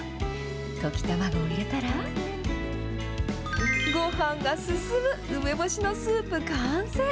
溶き卵を入れたら、ごはんが進む梅干しのスープ完成。